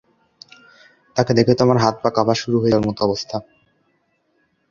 তাঁকে দেখে তো আমার হাত-পা কাঁপা শুরু হয়ে যাওয়ার মতো অবস্থা।